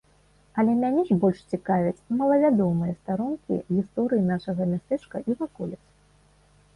Але мяне ж больш цікавяць малавядомыя старонкі гісторыі нашага мястэчка і ваколіц.